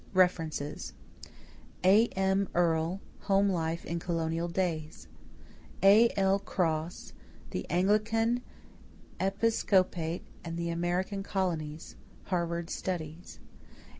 =References= A.M. Earle, Home Life in Colonial Days. A.L. Cross, The Anglican Episcopate and the American Colonies (Harvard Studies).